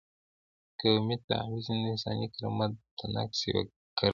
قومي تبعیض د انساني کرامت د نقض یوه کړنه ده.